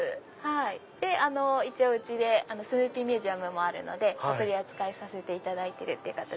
一応うちでスヌーピーミュージアムもあるのでお取り扱いさせていただいてる形。